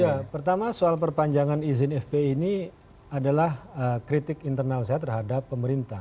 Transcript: ya pertama soal perpanjangan izin fpi ini adalah kritik internal saya terhadap pemerintah